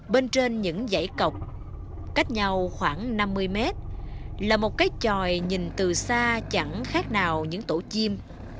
bên trên những dãy cọc cách nhau khoảng năm mươi mét là một cái tròi nhìn từ xa chẳng khác nào những tổ chim